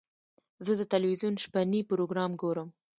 زه د تلویزیون شپهني پروګرام ګورم.